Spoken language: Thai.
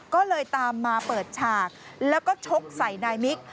ก็เลยตามมาเปิดฉากแล้วก็ชกใส่นายมิก